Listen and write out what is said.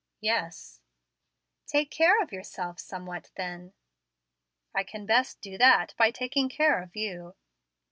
"Yes" "Take care of yourself somewhat, then." "I can best do that by taking care of you."